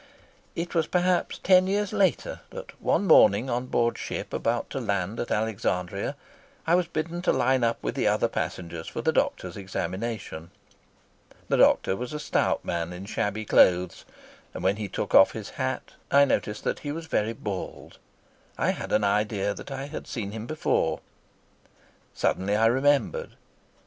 It was perhaps ten years later that one morning on board ship, about to land at Alexandria, I was bidden to line up with the other passengers for the doctor's examination. The doctor was a stout man in shabby clothes, and when he took off his hat I noticed that he was very bald. I had an idea that I had seen him before. Suddenly I remembered.